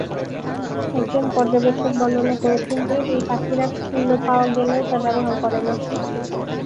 একজন পর্যবেক্ষক বর্ণনা করেছেন যে, এই পাখিরা তুলো পাওয়া গেলেও তা ব্যবহার করেনা।